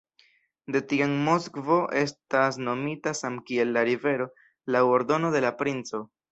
De tiam Moskvo estas nomita samkiel la rivero laŭ ordono de la princo.